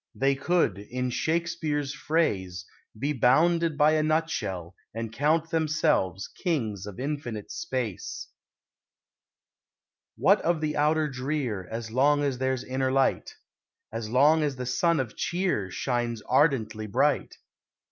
They could, in Shakespeare's phrase, be bounded by a nut shell and count themselves kings of infinite space. What of the outer drear, As long as there's inner light; As long as the sun of cheer Shines ardently bright?